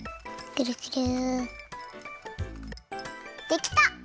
できた！